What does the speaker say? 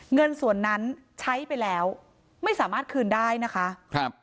เงินส่วนนั้นใช้ไปแล้วไม่สามารถคืนได้นะคะครับ